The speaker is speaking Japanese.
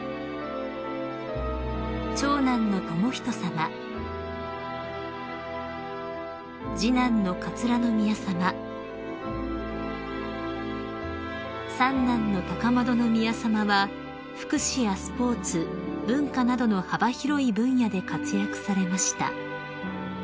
［長男の仁さま次男の桂宮さま三男の高円宮さまは福祉やスポーツ文化などの幅広い分野で活躍されました］